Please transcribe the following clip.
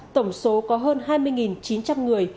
tổng số có hơn hai mươi chín trăm linh người